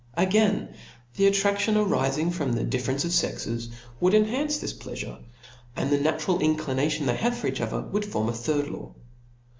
Again, the attrac tion arifing from the difference of fexes would en hance this pleafure, and the natural inclination they have for each other, would form a third law.